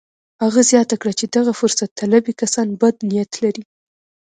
هغه زياته کړه چې دغه فرصت طلبي کسان بد نيت لري.